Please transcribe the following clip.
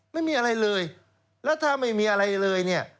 ไม่มีอะไรเลยแล้วถ้าไม่มีอะไรเลยเนี่ย